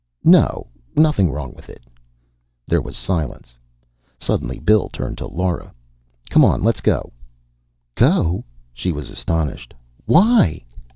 "No. Nothing wrong with it." There was silence. Suddenly Bill turned to Lora. "Come on. Let's go." "Go?" She was astonished. "Why?"